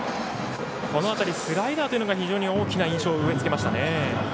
この辺りスライダーというのが非常に大きな印象を植え付けましたね。